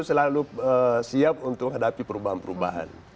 selalu siap untuk hadapi perubahan perubahan